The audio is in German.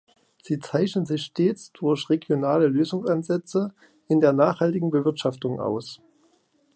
Sie zeichnen sich stets durch regionale Lösungsansätze in der nachhaltigen Bewirtschaftung aus.